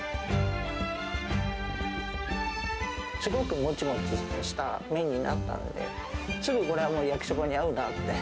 すごくもちもちした麺になったので、すぐこれは焼きそばに合うなって。